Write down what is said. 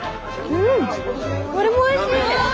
うんこれもおいしい！